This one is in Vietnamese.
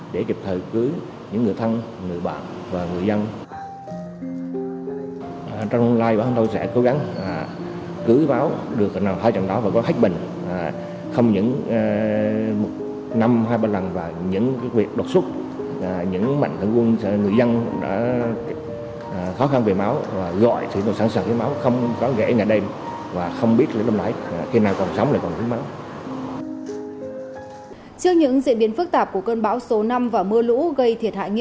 để kịp thời cưới những người thân người bạn